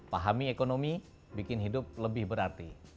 pahami ekonomi bikin hidup lebih berarti